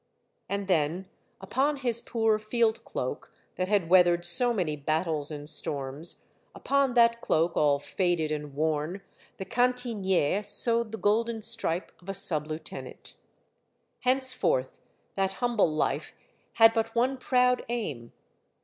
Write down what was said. And then, upon his poor field cloak that had weathered so many battles and storms, upon that cloak all faded and worn, the cantiniere sewed the golden stripe of a sub lieutenant. Henceforth that humble life had but one proud aim.